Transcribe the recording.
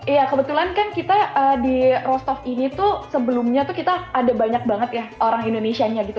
iya kebetulan kan kita di rostov ini tuh sebelumnya tuh kita ada banyak banget ya orang indonesianya gitu